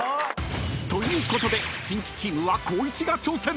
［ということでキンキチームは光一が挑戦］